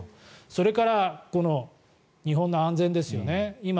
それから、日本の安全ですよね。